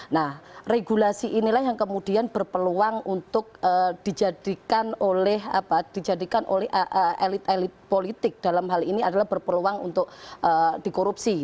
nah regulasi inilah yang kemudian berpeluang untuk dijadikan oleh elit elit politik dalam hal ini adalah berpeluang untuk dikorupsi